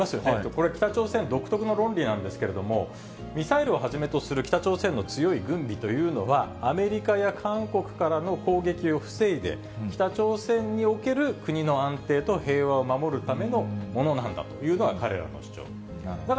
これ、北朝鮮独特の論理なんですけれども、ミサイルをはじめとする北朝鮮の強い軍備というのは、アメリカや韓国からの攻撃を防いで、北朝鮮における国の安定と平和を守るためのものなんだというのが彼らの主張なんです。